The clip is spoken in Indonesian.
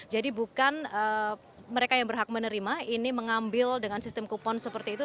jadi bukan mereka yang berhak menerima ini mengambil dengan sistem kupon seperti itu